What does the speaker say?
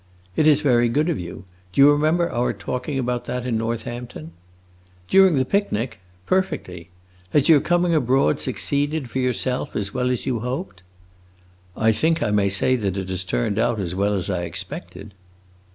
"It is very good of you. Do you remember our talking about that in Northampton?" "During that picnic? Perfectly. Has your coming abroad succeeded, for yourself, as well as you hoped?" "I think I may say that it has turned out as well as I expected."